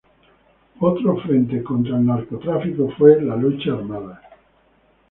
Otro frente contra el narcotráfico fue la lucha armada.